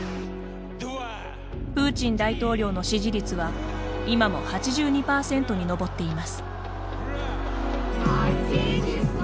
プーチン大統領の支持率は今も８２％に上っています。